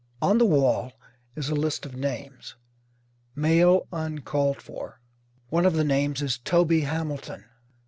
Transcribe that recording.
On the wall is a list of names, Mail Uncalled For. One of the names is "Toby Hamilton."